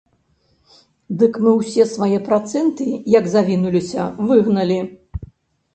Дык мы ўсе свае працэнты, як завінуліся, выгналі.